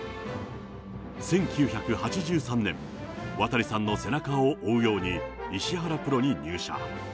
１９８３年、渡さんの背中を追うように、石原プロに入社。